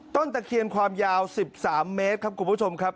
ตะเคียนความยาว๑๓เมตรครับคุณผู้ชมครับ